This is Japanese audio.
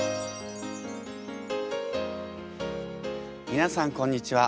皆さんこんにちは。